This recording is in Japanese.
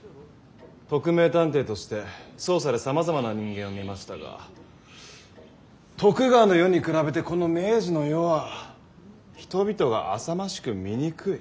特命探偵として捜査でさまざまな人間を見ましたが徳川の世に比べてこの明治の世は人々があさましく醜い。